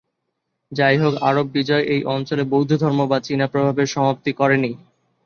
যাইহোক, আরব বিজয় এই অঞ্চলে বৌদ্ধধর্ম বা চীনা প্রভাবের সমাপ্তি করেনি।